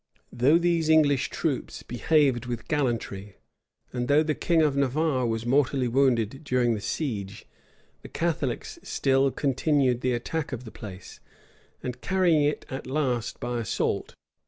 Though these English troops behaved with gallantry,[] and though the king of Navarre was mortally wounded during the siege, the Catholics still continued the attack of the place, and carrying it at last by assault, put the whole garrison to the sword.